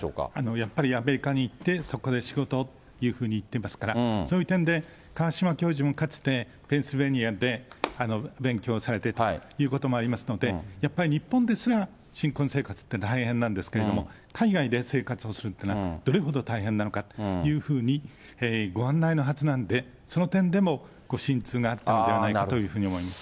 やっぱりアメリカに行って、そこで仕事というふうに言っていますから、そういう点で、川嶋教授もかつて、ペンシルベニアで勉強されてたということもありますので、やっぱり日本ですら新婚生活って大変なんですけれども、海外で生活をするというのは、どれほど大変なのかというふうにご案内のはずなので、その点でも、ご心痛があったのではないかというふうに思います。